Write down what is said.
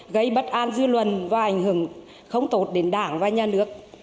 gây bất an dư luận và ảnh hưởng không tốt đến đảng và nhà nước